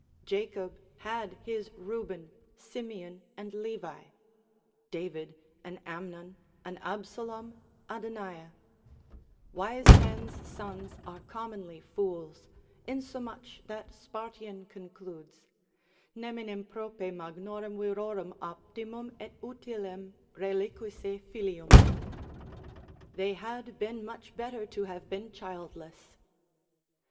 Jacob had his Reuben, Simeon and Levi; David an Amnon, an Absalom, Adoniah; wise men's sons are commonly fools, insomuch that Spartian concludes, Neminem prope magnorum virorum optimum et utilem reliquisse filium: they had been much better to have been childless.